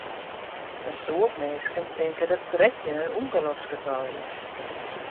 In soad minsken tinke dat trettjin in ûngeloksgetal is.